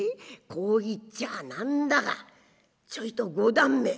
こう言っちゃ何だがちょいと『五段目』